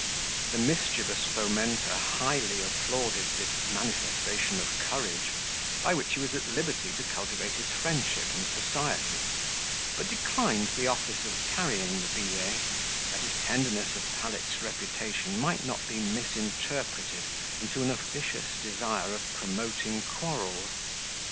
The mischievous fomenter highly applauded this manifestation of courage, by which he was at liberty to cultivate his friendship and society, but declined the office of carrying the billet, that his tenderness of Pallet's reputation might not be misinterpreted into an officious desire of promoting quarrels.